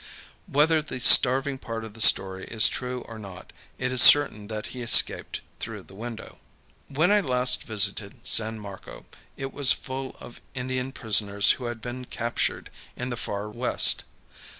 Whether the starving part of the story is true or not, it is certain that he escaped through the window. When I last visited San Marco, it was full of Indian prisoners who had been captured in the far West.